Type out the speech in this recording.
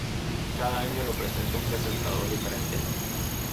Cada año lo presenta un presentador diferente.